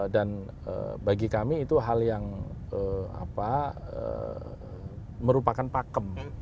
dan bagi kami itu hal yang merupakan pakem